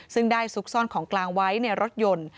ซึ่งได้ซุกซ่อนของกลางไว้ในรถยนต์